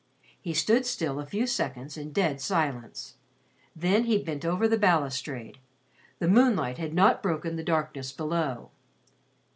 He stood still a few seconds in dead silence. Then he bent over the balustrade. The moonlight had not broken the darkness below.